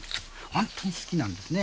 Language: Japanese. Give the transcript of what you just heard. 本当に好きなんですね。